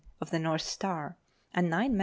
of the North Star), and nine men.